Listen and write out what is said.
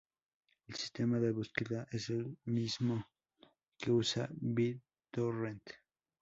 El sistema de búsqueda es el mismo que usa BitTorrent.